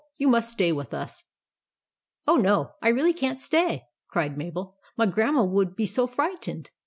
YOU MUST STAY WITH US." " Oh, no, I really can't stay," cried Mabel. u My Grandma would be so frightened.